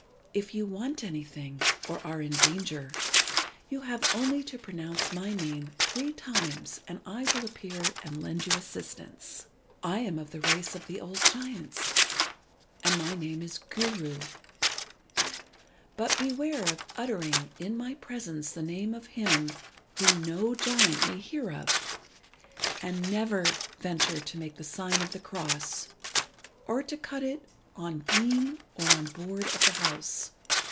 If you want anything, or are in danger, you have only to pronounce my name three times, and I will appear and lend you assistance. I am of the race of the old giants, and my name is Guru. But beware of uttering in my presence the name of him whom no giant may hear of, and never venture to make the sign of the cross, or to cut it on beam or on board of the house.